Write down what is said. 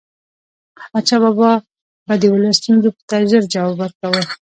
احمد شاه بابا به د ولس ستونزو ته ژر جواب ورکاوه.